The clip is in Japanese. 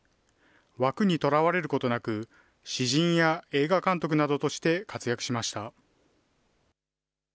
枠にとらわれることなく、詩人や映画監督などとして活躍しました。